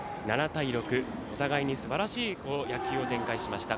７対６、お互いにすばらしい野球を展開しました。